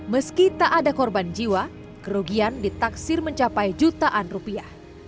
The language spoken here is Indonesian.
meski tak ada korban jiwa kerugian ditaksir mencapai jutaan rupiah